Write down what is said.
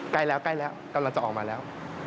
ใกล้กำลังจะออกมาแล้ว